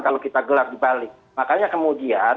kalau kita gelar di bali makanya kemudian